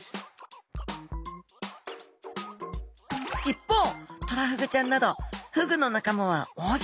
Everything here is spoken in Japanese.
一方トラフグちゃんなどフグの仲間は扇形。